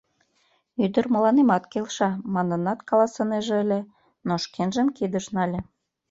«Ӱдыр мыланемат келша» манынат каласынеже ыле, но шкенжым кидыш нале.